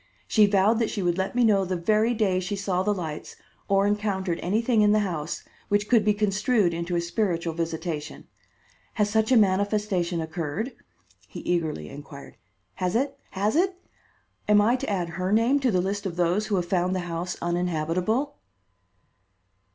She vowed that she would let me know the very day she saw the lights or encountered anything in the house, which could be construed into a spiritual visitation. Has such a manifestation occurred?" he eagerly inquired. "Has it? has it? Am I to add her name to the list of those who have found the house uninhabitable?"